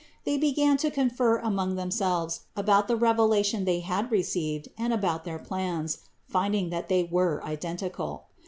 They began to confer among themselves about the revelation they had received and about their plans, finding that they were identical.